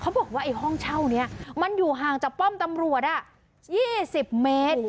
บอกว่าไอ้ห้องเช่านี้มันอยู่ห่างจากป้อมตำรวจ๒๐เมตร